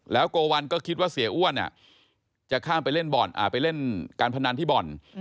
แล้วโกวัลก็คิดว่าเสียอ้วนเนี่ยจะข้ามไปเล่นการพนันที่บอล